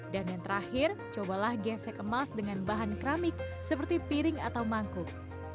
dan yang terakhir cobalah gesek emas dengan bahan keramik seperti piring atau mangkuk